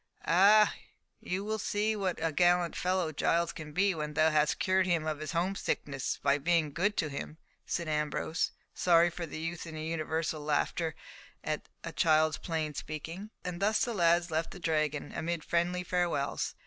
"Ah! you will see what a gallant fellow Giles can be when thou hast cured him of his home sickness by being good to him," said Ambrose, sorry for the youth in the universal laughter at the child's plain speaking. And thus the lads left the Dragon, amid friendly farewells.